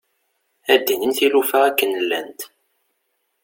Ad d-inin tilufa akken llant.